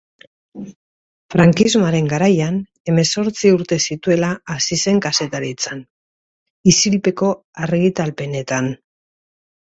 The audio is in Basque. Frankismoaren garaian, hemezortzi urte zituela hasi zen kazetaritzan, isilpeko argitalpenetan.